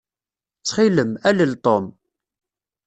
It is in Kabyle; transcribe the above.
Ttxil-m, alel Tom.